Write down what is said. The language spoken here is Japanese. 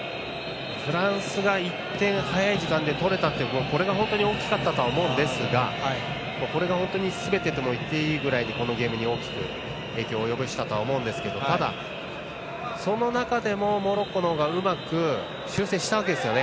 フランスが１点早い時間に取れたというこれが本当に大きかったとは思うんですが、これが本当にこのゲームに大きく影響を及ぼしたと思うんですけどただ、その中でもモロッコの方がうまく修正したわけですよね。